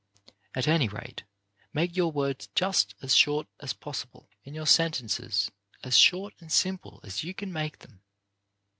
At # any rate make your words just as short as possible, and your sentences as short and simple as you can make them.